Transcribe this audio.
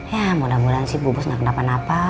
ya mudah mudahan sih bu bos nggak kenapa napa